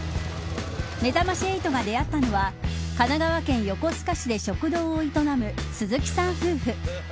めざまし８が出会ったのは神奈川県横須賀市で食堂を営む、鈴木さん夫婦。